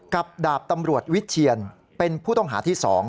ดาบตำรวจวิเชียนเป็นผู้ต้องหาที่๒